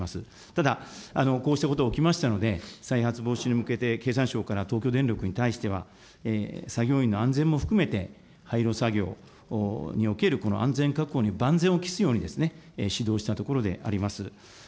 ただ、こうしたことが起きましたので、再発防止に向けて経産省から東京電力に対しては、作業員の安全も含めて、廃炉作業における安全確保に万全を期すように指導したところであります。